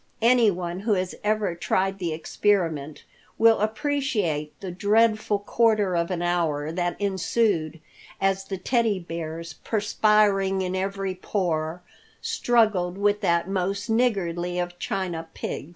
Anyone who has ever tried the experiment will appreciate the dreadful quarter of an hour that ensued as the Teddy Bears, perspiring in every pore, struggled with that most niggardly of china pigs.